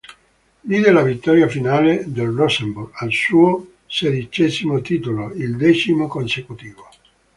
Vide la vittoria finale del Rosenborg, al suo sedicesimo titolo, il decimo consecutivo.